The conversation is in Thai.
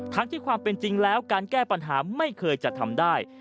ที่ความเป็นจริงแล้วการแก้ปัญหาไม่เคยจะทำได้